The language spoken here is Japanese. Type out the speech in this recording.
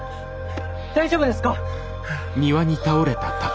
大丈夫ですか？